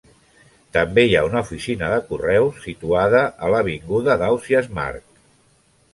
També hi ha una oficina de correus situada a l'avinguda d'Ausiàs March.